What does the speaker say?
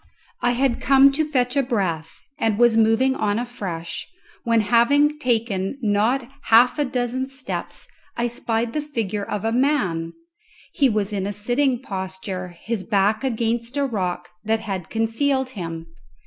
I had come to a stand to fetch a breath, and was moving on afresh, when, having taken not half a dozen steps, I spied the figure of a man. He was in a sitting posture, his back against a rock that had concealed him.